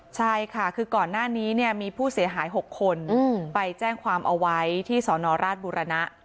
ใช่ค่ะคือก่อนหน้านี้เนี่ยมีผู้เสียหาย๖คนไปแจ้งความเอาไว้ที่สนราชบุรณะ